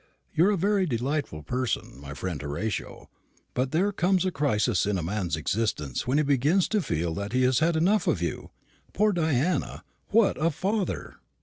"You're a very delightful person, my friend Horatio; but there comes a crisis in a man's existence when he begins to feel that he has had enough of you. Poor Diana! what a father!"